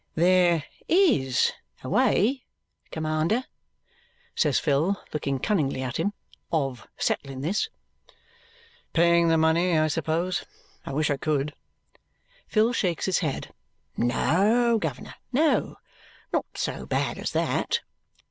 "There IS a way, commander," says Phil, looking cunningly at him, "of settling this." "Paying the money, I suppose? I wish I could." Phil shakes his head. "No, guv'ner, no; not so bad as that.